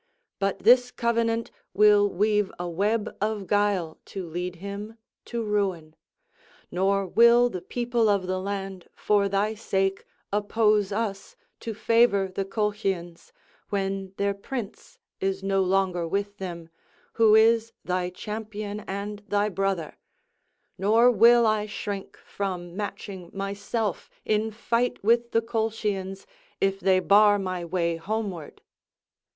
But this covenant will weave a web of guile to lead him to ruin. Nor will the people of the land for thy sake oppose us, to favour the Colchians, when their prince is no longer with them, who is thy champion and thy brother; nor will I shrink from matching myself in fight with the Colchians, if they bar my way homeward."